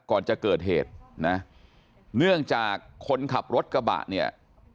ก่อนจะเกิดเหตุนะเนื่องจากคนขับรถกระบะเนี่ย